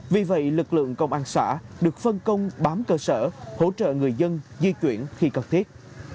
vì vậy lực lượng công an xã được phân công bám cơ sở hỗ trợ người dân di chuyển khi cần thiết